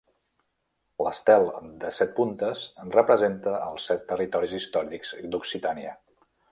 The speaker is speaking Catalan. L'estel de set puntes representa els set territoris històrics d'Occitània.